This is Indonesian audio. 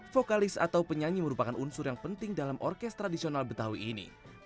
vokalis atau penyanyi merupakan unsur yang penting dalam orkes tradisional betawi ini